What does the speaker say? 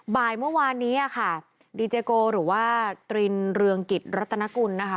บ่ายเมื่อวานนี้ค่ะดีเจโกหรือว่าตรินเรืองกิจรัตนกุลนะคะ